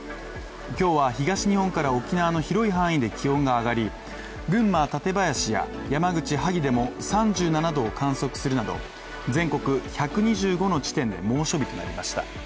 今日は東日本から沖縄の広い範囲で気温が上がり、群馬・館林や山口・萩でも３７度を観測するなど全国１２５の地点で猛暑日となりました。